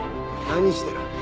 何してる？